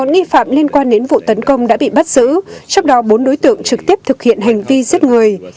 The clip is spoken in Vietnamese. một nghi phạm liên quan đến vụ tấn công đã bị bắt giữ trong đó bốn đối tượng trực tiếp thực hiện hành vi giết người